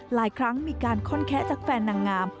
หลายครั้งมีการค่อนแคะจากแฟนนางงาม